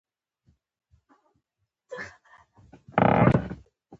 افغانستان کې بادام د خلکو د خوښې وړ یو ځای دی.